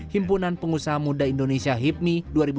himpunan pengusaha muda indonesia hipmi dua ribu dua puluh